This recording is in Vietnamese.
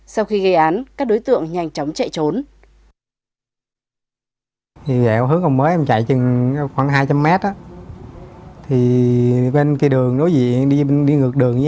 sau khi gây án các đối tượng nhanh chóng chạy trốn